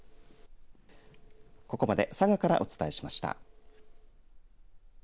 ここまで佐賀からお伝えしました。